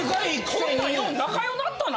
こんなんよう仲良なったな。